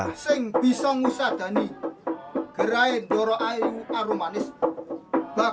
hendraon setiawan yogyakarta